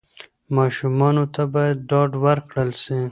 ماشومانو ته باید ډاډ ورکړل سي.